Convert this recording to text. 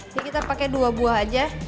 jadi kita pakai dua buah aja